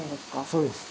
そうです。